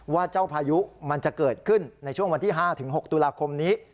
ว่าเจ้าพายุมันจะเกิดขึ้นในช่วงวันที่๕๖ตุลาคมนี้